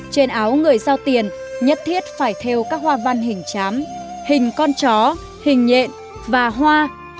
trên áo người giao tiền nhất thiết phải theo các hoa văn hình chám hình con chó hình nhện và hoa